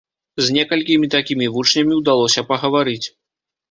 З некалькімі такімі вучнямі ўдалося пагаварыць.